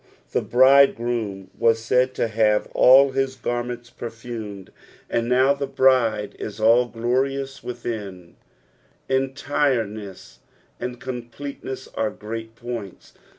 The Bridegroiim was said to have all his garmeots perfumed, and now the bride is all glorious witlun — entirenuu and completeness are great points.